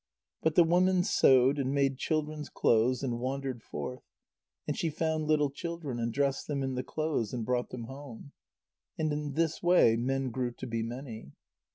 But the woman sewed, and made children's clothes, and wandered forth. And she found little children, and dressed them in the clothes, and brought them home. And in this way men grew to be many.